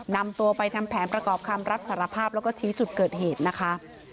นำตัวไปทำแผนประกอบคำรับสารภาพแล้วก็ชี้จุดเกิดเหตุนะคะ